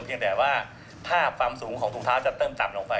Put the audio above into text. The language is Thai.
เพียงแต่ว่าภาพความสูงของถุงเท้าจะเพิ่มต่ำลงไป